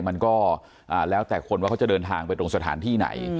มันก็แล้วแต่คนว่าเขาจะเดินทางไปตรงสถานที่ไหน